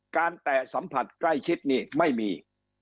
แตะสัมผัสใกล้ชิดนี่ไม่มี